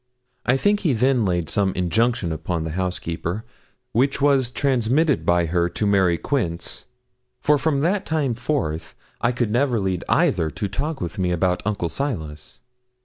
I think he then laid some injunction upon the housekeeper, which was transmitted by her to Mary Quince, for from that time forth I could never lead either to talk with me about Uncle Silas.